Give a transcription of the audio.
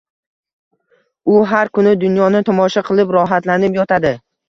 U har kuni dunyoni tomosha qilib, rohatlanib yotadi